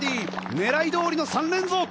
狙い通りの３連続。